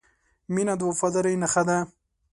• مینه د وفادارۍ نښه ده.